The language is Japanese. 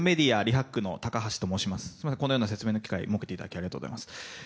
このような説明の機会を設けていただきありがとうございます。